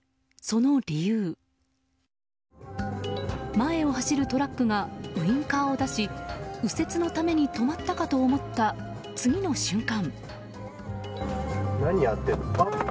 前を走るトラックがウインカーを出し右折のために止まったかと思った次の瞬間。